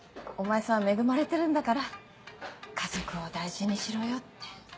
お前さん恵まれてるんだから家族を大事にしろよって。